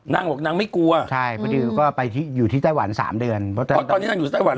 นางบอกนางไม่กลัวใช่พอดีก็ไปอยู่ที่ไต้หวันสามเดือนเพราะตอนนี้นางอยู่ไต้หวัน